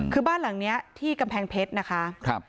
คือบ้านหลังนี้ที่กำแพงเพชรนะคะ